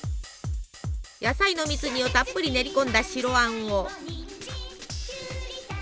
野菜の蜜煮をたっぷり練り込んだ白あんを。